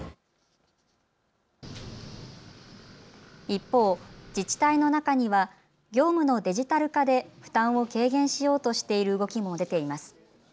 一方、自治体の中には業務のデジタル化で負担を軽減しようとしている動きも出ています。